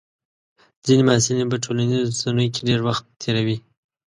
ځینې محصلین په ټولنیزو رسنیو کې ډېر وخت تېروي.